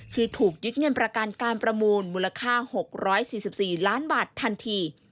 คือถูกยึดเงินประกันการประมูลมูลค่า๖๔๔ล้านบาททันที